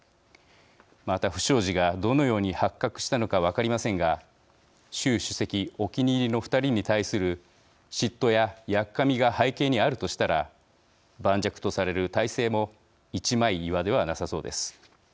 また不祥事がどのように発覚したのか分かりませんが習主席お気に入りの２人に対する嫉妬ややっかみが背景にあるとしたら盤石とされる体制も一枚岩ではなさそうです。